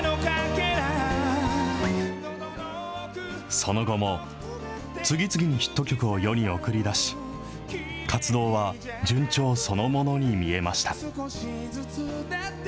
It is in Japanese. その後も次々にヒット曲を世に送り出し、活動は順調そのものに見えました。